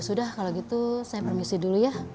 sudah kalau gitu saya permisi dulu ya